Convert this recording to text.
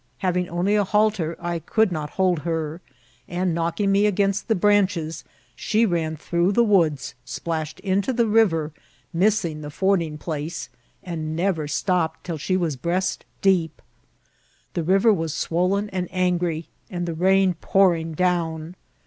Having only a halter, I could not hold her ; and, knocking me against the branches, she ran through the woods, splashed into the river, missing the fording place, and never stopped till she was breast* deep. The river was swollen and angry, and the rain pouring down.